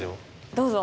どうぞ。